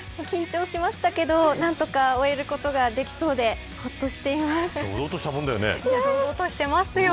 緊張しましたけど何とか終えることができそうでほっとしています。